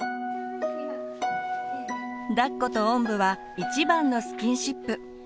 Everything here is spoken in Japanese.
だっことおんぶは一番のスキンシップ。